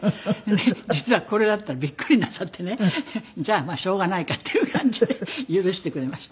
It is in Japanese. で実はこれだって言ったらびっくりなさってねじゃあまあしょうがないかっていう感じで許してくれました。